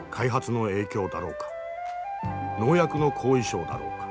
農薬の後遺症だろうか？